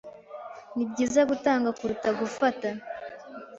Nibyiza gutanga kuruta gufata.